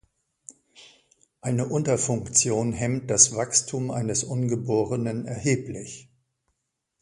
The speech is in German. Eine Unterfunktion hemmt das Wachstum eines Ungeborenen erheblich.